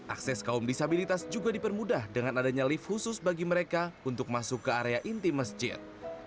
akses kaum disabilitas juga dipermudah dengan adanya lift khusus bagi mereka untuk masuk ke area inti masjid